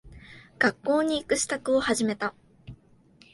学校に行く支度を始めた。